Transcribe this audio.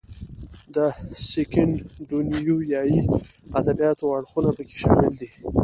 د سکینډینیویايي ادبیاتو اړخونه پکې شامل دي.